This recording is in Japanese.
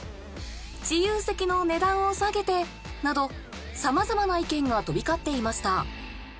「自由席の値段を下げて」などさまざまな意見が飛び交っていました。